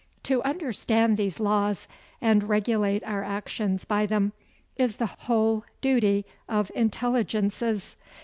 To understand these laws, and regulate our actions by them, is the whole duty of intelligences.